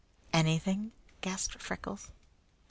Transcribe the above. "Anything!" gasped Freckles.